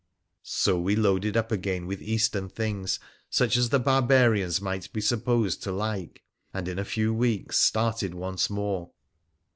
So we loaded up again with Eastern things, such as the barbarians might be supposed to like, and in a few weeks started once more.